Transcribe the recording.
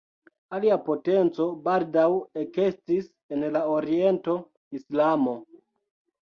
Alia potenco baldaŭ ekestis en la oriento: Islamo.